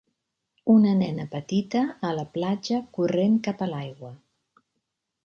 Una nena petita a la platja corrent cap a l'aigua.